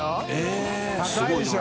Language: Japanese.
─舛叩高いでしょ？